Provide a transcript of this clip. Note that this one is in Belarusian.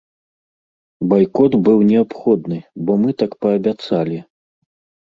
Байкот быў неабходны, бо мы так паабяцалі.